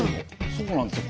そうなんですよ。